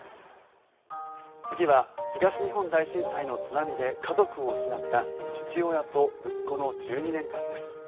次は東日本大震災の津波で家族を失った父親と息子の１２年間です。